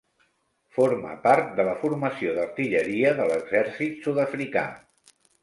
Forma part de la Formació d'Artilleria de l'Exèrcit Sud-africà.